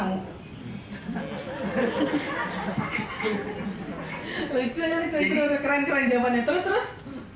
lucu lucu lucu keren keren jamannya terus terus